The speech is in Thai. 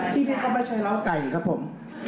ที่นี่ก็ไม่ใช่ล้าวไก่ครับผม